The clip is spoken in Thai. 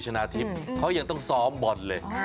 ชนะทิพย์เขายังต้องซ้อมบอลเลย